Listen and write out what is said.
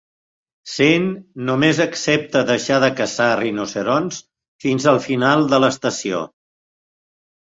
Sean només accepta deixar de caçar rinoceronts fins al final de l'estació.